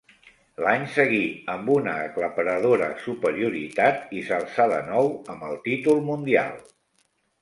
L'any seguí amb una aclaparadora superioritat i s'alçà de nou amb el títol mundial.